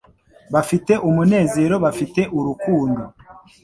Bafite umunezero bafite urukundo